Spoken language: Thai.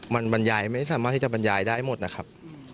มันบรรยายไม่สามารถที่จะบรรยายได้หมดนะครับ